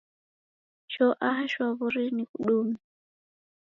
Choo aha shwaw'ori nikudume.